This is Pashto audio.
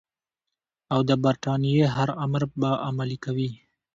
او د برټانیې هر امر به عملي کوي.